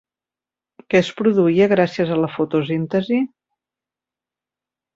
Què es produïa gràcies a la fotosíntesi?